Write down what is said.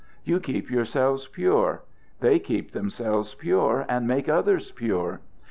You keep yourselves pure. They keep themselves pure and make others pure.